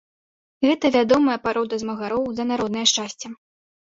Гэта вядомая парода змагароў за народнае шчасце.